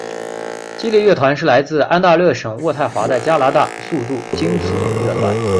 激励乐团是来自安大略省渥太华的加拿大速度金属乐团。